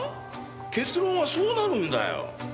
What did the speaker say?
結論はそうなるんだよ。